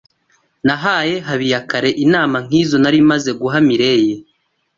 Nahaye Habiyakare inama nkizo nari maze guha Mirelle.